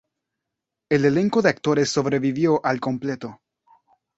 El elenco de actores sobrevivió al completo.